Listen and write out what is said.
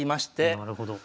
なるほど。